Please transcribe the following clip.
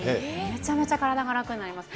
めちゃめちゃ体が楽になります。